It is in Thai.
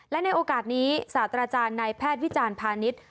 และในโอกาสนี้ศาสตราจารย์นายแพทย์วิจารณ์พาณิชย์